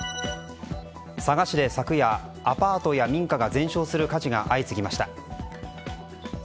佐賀市で昨夜、アパートや民家が全焼する火事が相次ぎました。